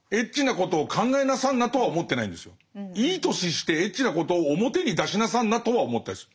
いい年してエッチなことを表に出しなさんなとは思ったりする。